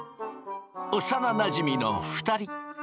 幼なじみの２人。